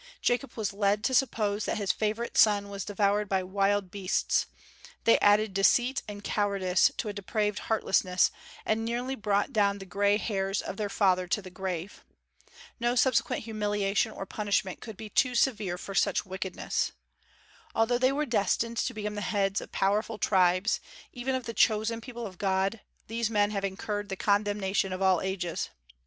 Jacob was led to suppose that his favorite son was devoured by wild beasts; they added deceit and cowardice to a depraved heartlessness, and nearly brought down the gray hairs of their father to the grave. No subsequent humiliation or punishment could be too severe for such wickedness. Although they were destined to become the heads of powerful tribes, even of the chosen people of God, these men have incurred the condemnation of all ages.